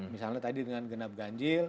misalnya tadi dengan genap ganjil